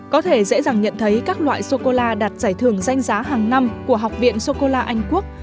có thể dễ dàng nhận thấy các loại sô cô la đạt giải thưởng danh giá hàng năm của học viện sô cô la anh quốc